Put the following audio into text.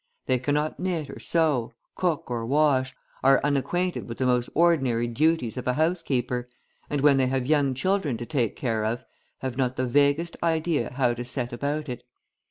They cannot knit or sew, cook or wash, are unacquainted with the most ordinary duties of a housekeeper, and when they have young children to take care of, have not the vaguest idea how to set about it.